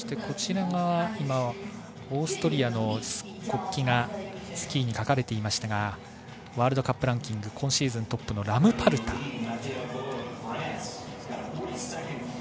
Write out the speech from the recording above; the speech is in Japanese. オーストリアの国旗がスキーに描かれていましたがワールドカップランキング今シーズントップのラムパルター。